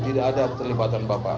tidak ada keselipatan bapak